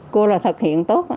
cô là thực hiện tốt